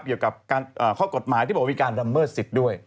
เกี่ยวกับข้อกฎหมายที่บอกว่ามีการละเมิดสิทธิ์ด้วย